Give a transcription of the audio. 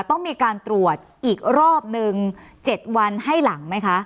ต้องมีการตรวจอีกรอบนึง๗วันให้หลังไหมคะ